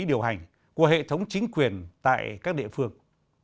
điều hành của hệ thống chính quyền tại các địa phương